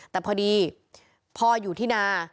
แต่พอดีพ่ออยู่ที่นา